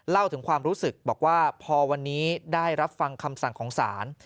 เล่าถึงความรู้สึกบอกว่าพอวันนี้ได้รับฟังคำสั่งของศาล